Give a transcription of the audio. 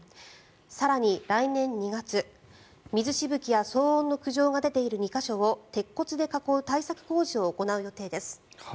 更に、来年２月水しぶきや騒音の苦情が出ている２か所を鉄骨で囲う対策工事を行う予定です。